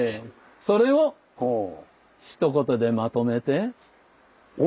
それをひと言でまとめて。